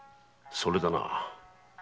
それだな。